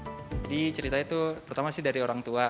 jadi ceritanya itu pertama sih dari orang tua